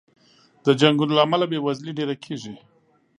د جنګونو له امله بې وزلي ډېره کېږي.